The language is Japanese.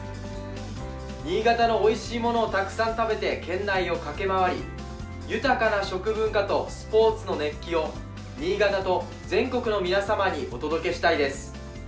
新潟のおいしいものをたくさん食べて県内を駆け回り豊かな食文化とスポーツの熱気を新潟と全国の皆様にお届けしたいです。